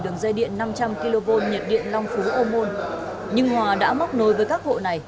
đường dây điện năm trăm linh kv nhiệt điện long phú ô môn nhưng hòa đã móc nối với các hộ này